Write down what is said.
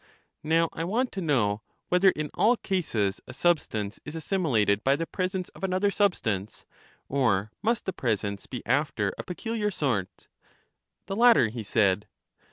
Now I want to know whether in all cases a sub stance is assimilated by the presence of another sub stance; or must the presence be after a peculiar sort? The latter, he said.